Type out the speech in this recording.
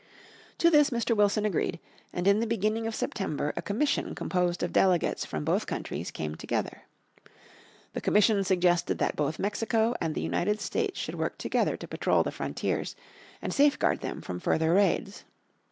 To this Mr. Wilson agreed, and in the beginning of September a Commission composed of delegates from both countries came together. The Commission suggested that both Mexico and the United States should work together to patrol the frontiers, and safeguard them from further raids.